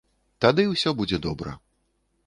Тады ўсё будзе добра.